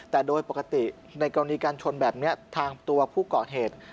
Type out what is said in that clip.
แต่โดยปกติในกรณีการชนแบบนี้ทางตัวผู้ก่อเหตุ